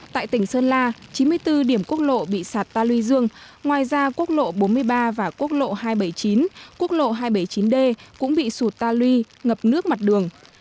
tại tỉnh sơn la chín mươi bốn điểm quốc lộ bị sạt ta luy dương ngoài ra quốc lộ bốn mươi ba và quốc lộ hai trăm bảy mươi chín quốc lộ hai trăm bảy mươi chín d cũng bị sụt ta lui ngập nước mặt đường